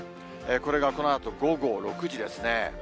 これがこのあと午後６時ですね。